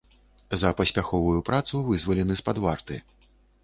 За паспяховую працу вызвалены з-пад варты.